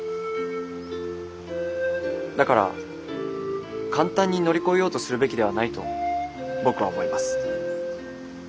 だから簡単に乗り越えようとするべきではないと僕は思います。